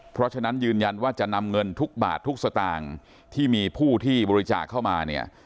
เพราะฉะนั้นยืนยันว่าจะนำเงินทุกบาททุกสตางค์ที่มีผู้ที่บริจาคเข้ามาเนี่ย